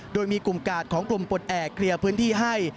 โดยมีกลุ่มกาดของกลุ่มปลดแอบเคลียร์พื้นที่ให้